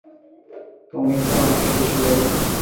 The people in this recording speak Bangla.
তুমিও তো আমাকে কিছু বল নি।